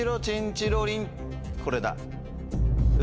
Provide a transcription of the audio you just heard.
これだ。